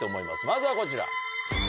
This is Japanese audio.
まずはこちら。